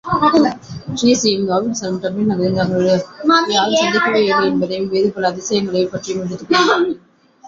டிரீஸியும், ராபின்ஸனும் டப்ளின் நகரில் தங்களை யாரும் சந்தேகிக்கவில்லை என்பதையும் வேறுபல அதிசயங்களைப் பற்றியும் எடுத்துக் கூறினார்கள்.